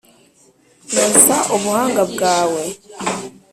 Noza ubuhanga bwawe